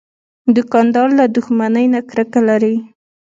دوکاندار له دښمنۍ نه کرکه لري.